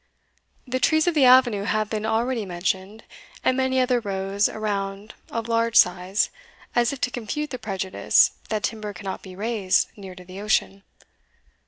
The trees of the avenue have been already mentioned, and many others rose around of large size, as if to confute the prejudice that timber cannot be raised near to the ocean.